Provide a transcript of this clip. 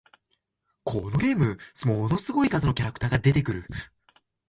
このゲーム、ものすごい数のキャラクターが出てくる